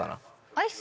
アイス？